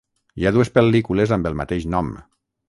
Hi ha dues pel·lícules amb el mateix nom.